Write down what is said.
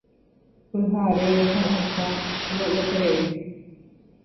Pyhare, ho'ysã, ro'yeterei.